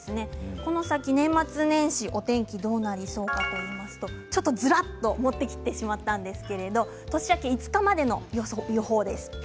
この先、年末年始のお天気どうなりそうかと言いますとちょっとずらっと持ってきてしまったんですけれど年明け５日までの予報です。